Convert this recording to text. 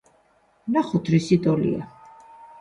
ვნახოთ რისი ტოლია.